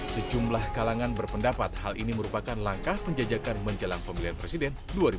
sejumlah kalangan berpendapat hal ini merupakan langkah penjajakan menjelang pemilihan presiden dua ribu sembilan belas